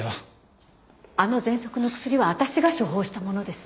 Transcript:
あの喘息の薬は私が処方したものです。